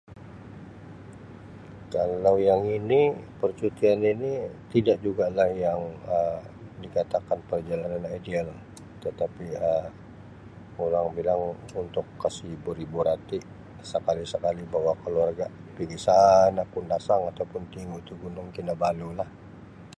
Kalau yang ini percutian ini tidak juga lah Um yang dikatakan perjalanan ideal tetapi oramg bilang untuk kasi hibur-hibur hati sekali-sekali bawa keluarlah pigi sana Kundasang atau pun tingu tu Gunung Kinabalu lah.